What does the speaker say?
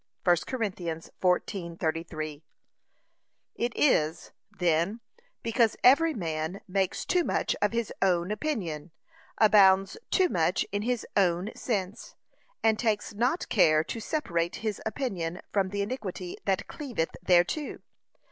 (1 Cor. 14:33) It is, then, because every man, makes too much of his own opinion, abounds too much in his own sense, and takes not care to separate his opinion from the iniquity that cleaveth thereto.